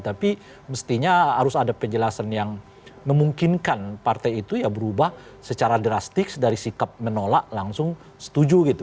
tapi mestinya harus ada penjelasan yang memungkinkan partai itu ya berubah secara drastis dari sikap menolak langsung setuju gitu